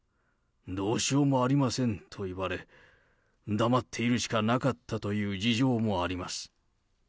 どうしようもありませんと言われ、黙っているしかなかったという事情もあります。